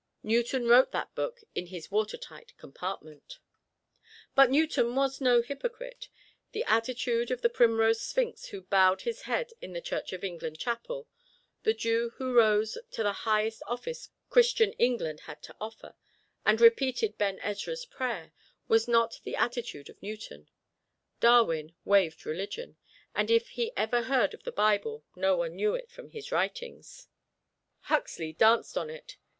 Newton wrote that book in his water tight compartment. But Newton was no hypocrite. The attitude of the Primrose Sphinx who bowed his head in the Church of England Chapel the Jew who rose to the highest office Christian England had to offer and repeated Ben Ezra's prayer, was not the attitude of Newton. Darwin waived religion, and if he ever heard of the Bible no one knew it from his writings. Huxley danced on it.